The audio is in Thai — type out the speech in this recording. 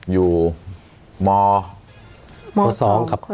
อยู่ม๒ครับ